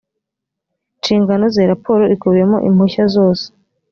nshingano ze raporo ikubiyemo impushya zose